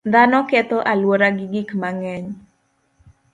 Dhano ketho alwora gi gik mang'eny.